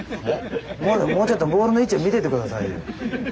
もうちょっとボールの位置を見てて下さいよ。